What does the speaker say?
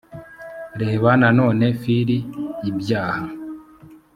reba nanone fili ibyaha